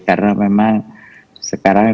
karena memang sekarang